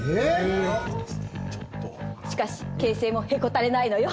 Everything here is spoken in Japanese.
しかし京成もへこたれないのよ。